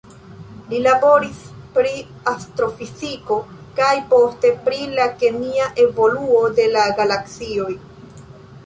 Li laboris pri astrofiziko, kaj poste pri de la kemia evoluo de la galaksioj.